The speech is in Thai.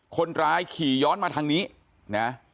คนร้ายขี่ย้อนมาทางนี้นะ